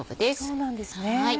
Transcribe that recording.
そうなんですね。